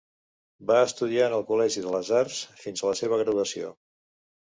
Va estudiar en el Col·legi de les Arts fins a la seva graduació.